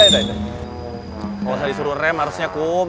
kalau saya disuruh rem harusnya kum